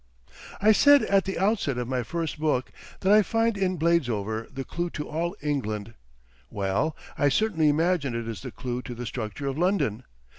I said at the outset of my first book that I find in Bladesover the clue to all England. Well, I certainly imagine it is the clue to the structure of London.